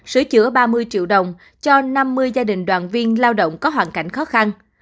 sửa chữa ba mươi triệu đồng cho năm mươi gia đình đoàn viên lao động có hoàn cảnh khó khăn